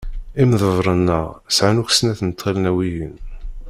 Imḍebṛen-nneɣ sɛan akk snat n tɣelnawiyin.